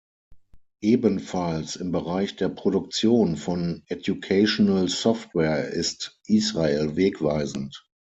Ebenfalls im Bereich der Produktion von educational software ist Israel wegweisend.